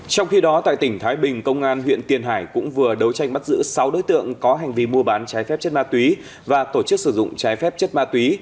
trong khi đó tại tỉnh thái bình công an huyện tiền hải cũng vừa đấu tranh bắt giữ sáu đối tượng có hành vi mua bán trái phép chất ma túy và tổ chức sử dụng trái phép chất ma túy